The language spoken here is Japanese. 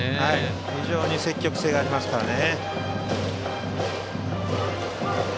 非常に積極性がありますからね。